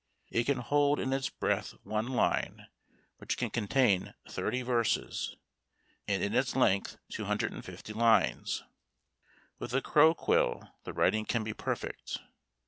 It can hold in its breadth one line, which can contain 30 verses, and in its length 250 lines. With a crow quill the writing can be perfect.